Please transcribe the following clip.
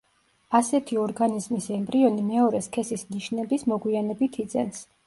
ასეთი ორგანიზმის ემბრიონი მეორე სქესის ნიშნების მოგვიანებით იძენს.